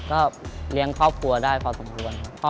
ก็เลี้ยงครอบครัวได้พอสมควรครับ